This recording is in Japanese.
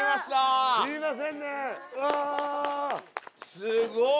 すごい！